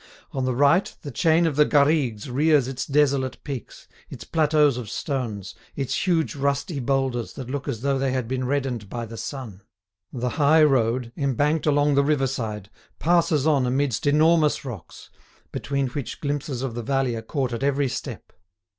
On the right, the chain of the Garrigues rears its desolate peaks, its plateaux of stones, its huge rusty boulders that look as though they had been reddened by the sun. The high road, embanked along the riverside, passes on amidst enormous rocks, between which glimpses of the valley are caught at every step.